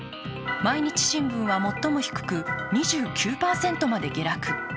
毎日新聞は最も低く２９％まで下落。